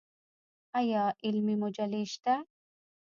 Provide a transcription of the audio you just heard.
آیا علمي مجلې شته؟